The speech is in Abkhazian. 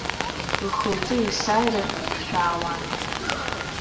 Лхы-лҿы есааира ихшәаауан.